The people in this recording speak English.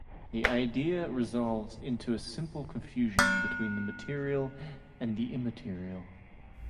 The idea resolves into a simple confusion between the material and the immaterial.